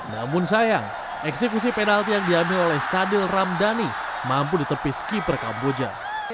namun sayang eksekusi penalti yang diambil oleh sadil ramdhani mampu diterpis keeper kamboja